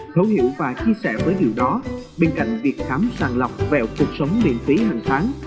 thấu hiểu và chia sẻ với điều đó bên cạnh việc khám sàng lọc vẹo cuộc sống miễn phí hàng tháng